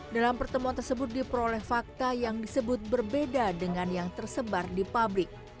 dalam pertemuan tersebut diperoleh fakta yang disebut berbeda dengan yang tersebar di publik